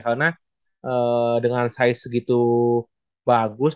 karena dengan size segitu bagus